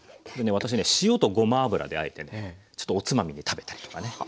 で私ね塩とごま油であえてねちょっとおつまみに食べたりとかね。